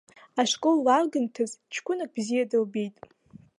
Ашкол лалгамҭаз ҷкәынак бзиа дылбеит.